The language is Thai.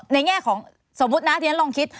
แง่ของสมมุตินะที่ฉันลองคิด